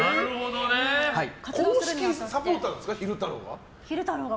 公式サポーターなんですか昼太郎が。